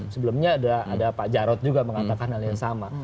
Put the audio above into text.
sebelumnya ada pak jarod juga mengatakan hal yang sama